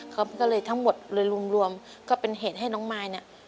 ก็เลยทั้งหมดเลยรวมก็เป็นเหตุให้น้องมาย